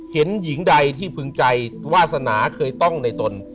เห็นหญิงใดที่พึงใจวาสนาเคยต้องในตน